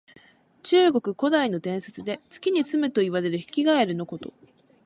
中国古代の伝説で、月にすむといわれるヒキガエルのこと。